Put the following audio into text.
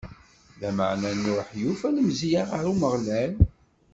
Lameɛna Nuḥ yufa lemzeyya ɣer Umeɣlal.